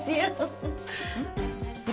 うん。